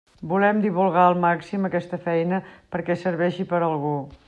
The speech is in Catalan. Volem divulgar al màxim aquesta feina perquè serveixi per a algú.